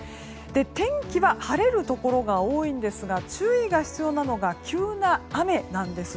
天気は晴れるところが多いんですが注意が必要なのが急な雨なんです。